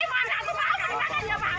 di mana aku pak di mana aku di mana aku